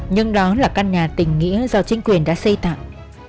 nhưng đó là căn nhà tình nghĩa do chính quyền đã xây tặng